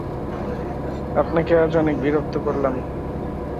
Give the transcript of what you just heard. আপনাকে আজ অনেক বিরক্ত করিলাম।